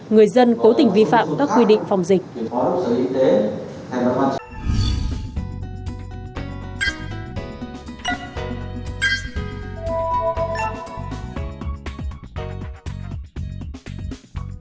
người dân cố tình vi phạm các quy định phòng dịch